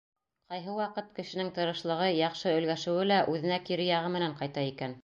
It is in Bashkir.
Ҡайһы ваҡыт кешенең тырышлығы, яҡшы өлгәшеүе лә үҙенә кире яғы менән ҡайта икән.